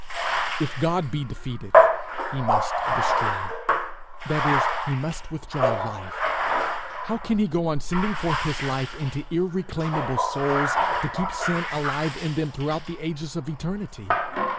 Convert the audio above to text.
If God be defeated, he must destroy that is, he must withdraw life. How can he go on sending forth his life into irreclaimable souls, to keep sin alive in them throughout the ages of eternity?